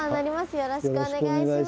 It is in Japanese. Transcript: よろしくお願いします。